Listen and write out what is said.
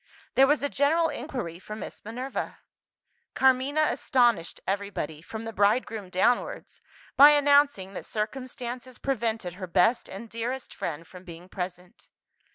There was a general inquiry for Miss Minerva. Carmina astonished everybody, from the bride groom downwards, by announcing that circumstances prevented her best and dearest friend from being present.